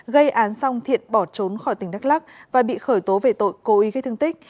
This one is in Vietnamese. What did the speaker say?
gây án xong thiện bỏ trốn khỏi tỉnh đắk lắc và bị khởi tố về tội cố ý gây thương tích